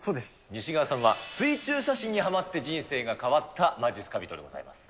西川さんは、水中写真にはまって人生が変わったまじっすか人でございます。